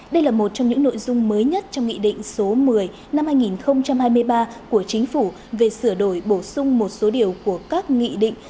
đây là một trong những nội dung mới nhất trong nghị định số một mươi năm hai nghìn hai mươi ba của chính phủ về sửa đổi bổ sung một số điều của các nghị định